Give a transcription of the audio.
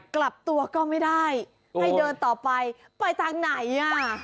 กลับตัวก็ไม่ได้ให้เดินต่อไปไปทางไหนอ่ะ